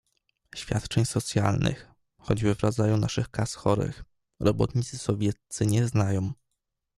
"Świadczeń socjalnych, choćby w rodzaju naszych Kas Chorych, robotnicy sowieccy nie znają."